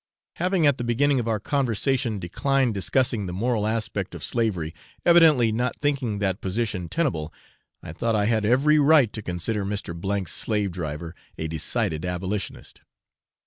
Having at the beginning of our conversation declined discussing the moral aspect of slavery, evidently not thinking that position tenable, I thought I had every right to consider Mr. 's slave driver a decided abolitionist.